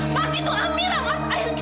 mas itu amirah mas